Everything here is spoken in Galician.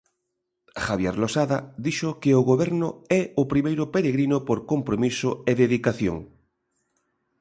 Javier Losada dixo que o Goberno é o primeiro peregrino por compromiso e dedicación.